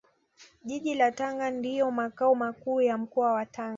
Jiji la Tanga ndio Makao Makuu ya Mkoa wa Tanga